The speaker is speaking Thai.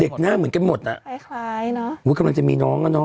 เด็กหน้าเหมือนกันหมดน่ะคล้ายเนอะโหกำลังจะมีน้องอ่ะเนอะ